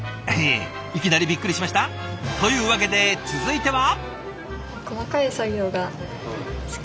いきなりびっくりしました？というわけで続いては。